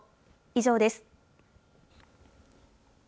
以上です。